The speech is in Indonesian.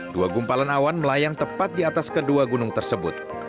dua gumpalan awan melayang tepat di atas kedua gunung tersebut